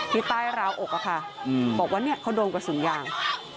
ที่ใต้ราวอกอะค่ะบอกว่าเนี่ยเขาโดนกระสุนยาง